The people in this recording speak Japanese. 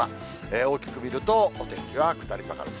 大きく見ると、お天気は下り坂です。